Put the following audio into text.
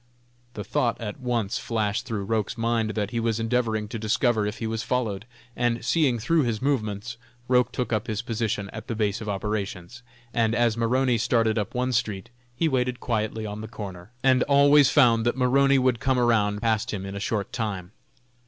The thought at once flashed through Roch's mind that he was endeavoring to discover if he was followed; and, seeing through his movements, Roch took up his position at the base of operations, and, as Maroney started up one street, he waited quietly on the corner, and always found that Maroney would come around past him in a short time.